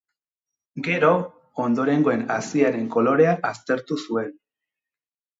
Gero, ondorengoen haziaren kolorea aztertu zuen.